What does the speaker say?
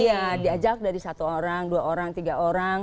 iya diajak dari satu orang dua orang tiga orang